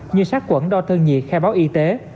như sát quẩn đo thân nhiệt khai báo y tế